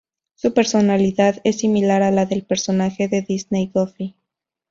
Su personalidad es similar a la del personaje de Disney Goofy.